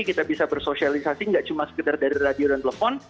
kita bisa bersosialisasi nggak cuma sekedar dari radio dan telepon